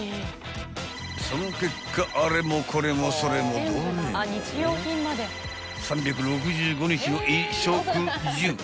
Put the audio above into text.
［その結果あれもこれもそれもどれも３６５日の衣食住